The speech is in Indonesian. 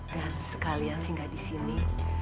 dan sekalian singgah di sini